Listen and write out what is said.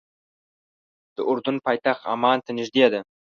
د اردن پایتخت عمان ته نږدې ده.